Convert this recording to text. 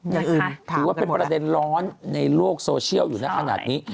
อย่างอื่นถือว่าเป็นประเด็นร้อนในโลกโซเชียลอยู่นะขนาดนี้